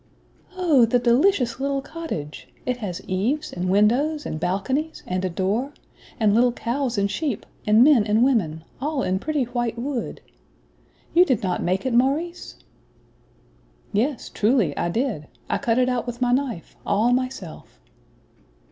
"O the delicious little cottage! It has eaves, and windows, and balconies, and a door, and little cows and sheep, and men and women, all in pretty white wood! You did not make it, Maurice?" "Yes, truly, I did; I cut it out with my knife, all myself."